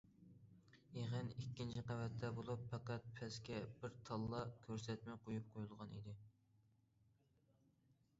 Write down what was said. يىغىن ئىككىنچى قەۋەتتە بولۇپ، پەقەت پەسكە بىر تاللا كۆرسەتمە قۇيۇپ قۇيۇلغان ئىدى.